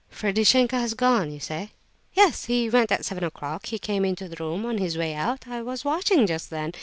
"Ferdishenko has gone, you say?" "Yes, he went at seven o'clock. He came into the room on his way out; I was watching just then.